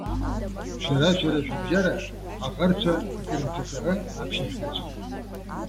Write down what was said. Шәара-шәара шәыбжьара, аӷарцәа крырҿаҵара аԥшьышәгаӡом.